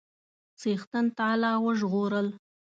چښتن تعالی وژغورل.